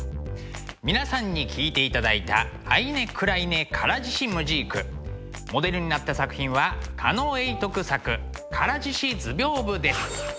皆さんに聴いていただいた「アイネクライネ唐獅子ムジーク」モデルになった作品は狩野永徳作「唐獅子図屏風」です。